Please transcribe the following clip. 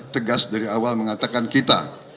tegas dari awal mengatakan kita